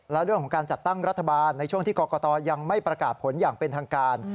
และเรื่องของการจัดตั้งรัฐบาลในช่วงที่กรกตยังไม่ประกาศผลอย่างเป็นทางการ